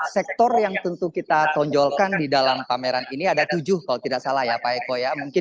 sektor yang tentu kita tonjolkan di dalam pameran ini ada tujuh kalau tidak salah ya pak eko ya mungkin